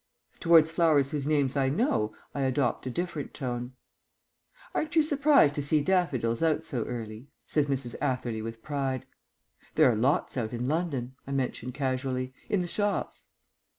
Towards flowers whose names I know I adopt a different tone. "Aren't you surprised to see daffodils out so early?" says Mrs. Atherley with pride. "There are lots out in London," I mention casually. "In the shops."